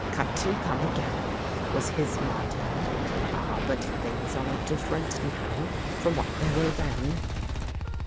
' Cut and come again,' was his motto. Ah, but things are diflferent now from what they were then."